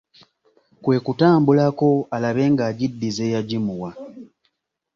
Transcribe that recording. Kwe kutambulako alabe nga agiddiza eyagimukwanga.